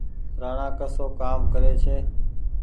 رآڻآ ڪسو ڪآم ڪري ڇي ۔